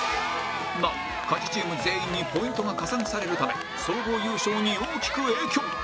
が勝ちチーム全員にポイントが加算されるため総合優勝に大きく影響！